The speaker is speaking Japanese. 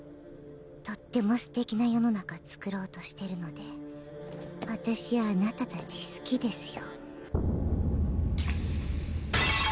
とっても素敵な世の中つくろうとしてるので私あなた達好きですよ。